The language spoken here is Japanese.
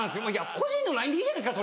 個人のＬＩＮＥでいいじゃないですか。